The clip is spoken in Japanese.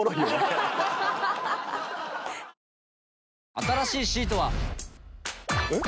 新しいシートは。えっ？